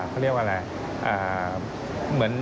เขาเรียกว่าอะไร